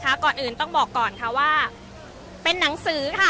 อาจจะออกมาใช้สิทธิ์กันแล้วก็จะอยู่ยาวถึงในข้ามคืนนี้เลยนะคะ